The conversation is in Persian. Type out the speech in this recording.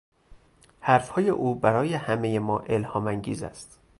حرفهای او برای همهی ما الهامانگیز است.